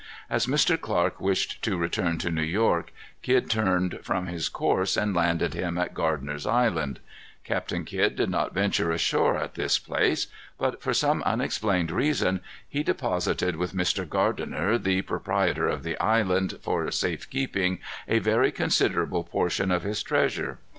As Mr. Clark wished to return to New York, Kidd turned from his course and landed him at Gardiner's Island. Captain Kidd did not venture ashore at this place. But, for some unexplained reason, he deposited with Mr. Gardiner, the proprietor of the island, for safe keeping, a very considerable portion of his treasures.